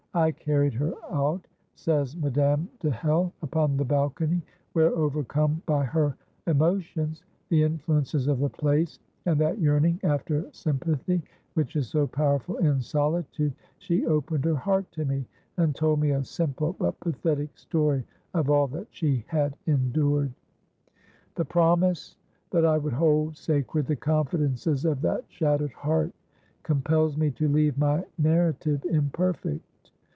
"I carried her out," says Madame de Hell, "upon the balcony, where, overcome by her emotions, the influences of the place, and that yearning after sympathy which is so powerful in solitude, she opened her heart to me, and told me a simple but pathetic story of all that she had endured. "The promise that I would hold sacred the confidences of that shattered heart compels me to leave my narrative imperfect.